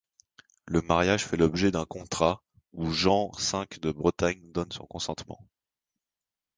Le mariage fait l'objet d'un contrat, où Jean V de Bretagne donne son consentement.